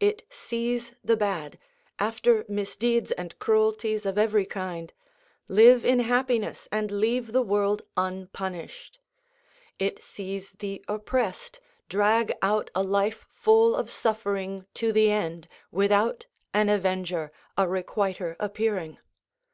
It sees the bad, after misdeeds and cruelties of every kind, live in happiness and leave the world unpunished. It sees the oppressed drag out a life full of suffering to the end without an avenger, a requiter appearing.